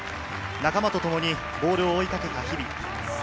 仲間とともにボールを追いかけた日々。